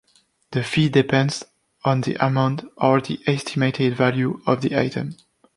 The fee depends on the amount or the estimated value of the item.